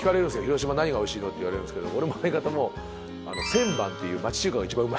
広島何が美味しいの？って言われるんですけど俺も相方も千番っていう町中華が一番うまいっつって。